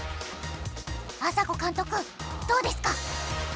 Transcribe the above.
あさこ監督どうですか？